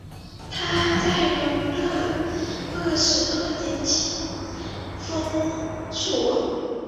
他在永乐二十二年袭封肃王。